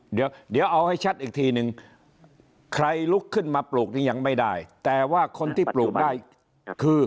เดี๋ยวเอาให้ชัดอีกทีนึงใครลุกขึ้นมาปลูกนี้ยังไม่ได้แต่ว่าคนที่ปลูกได้คือ